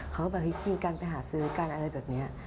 เขาก็แบบเฮ้ยกินกันไปหาซื้อกันอะไรแบบนี้